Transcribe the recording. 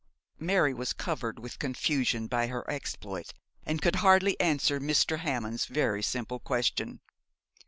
Mary was covered with confusion by her exploit, and could hardly answer Mr. Hammond's very simple question.